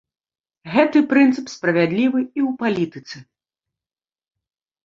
Гэты прынцып справядлівы і ў палітыцы.